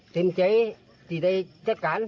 จีนใจบังคำเจาการ